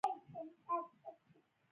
سېلاو يوړ